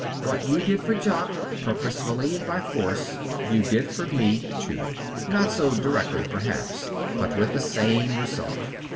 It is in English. What you did for Jock, purposefully and by force, you did for me, too. Not so directly, perhaps, but with the same result.